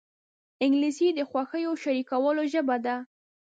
انګلیسي د خوښیو شریکولو ژبه ده